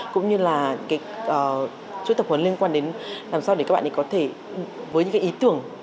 cũng như là cái chuỗi tập huấn liên quan đến làm sao để các bạn ấy có thể với những cái ý tưởng